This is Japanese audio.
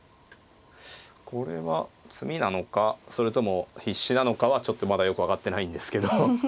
これは詰みなのかそれとも必至なのかはちょっとまだよく分かってないんですけど。